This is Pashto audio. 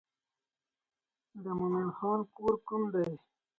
د مومن خان کور کوم دی.